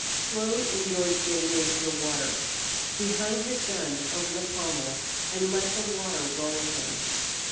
Slone enjoyed getting into the water. He hung his gun over the pommel and let the water roll him.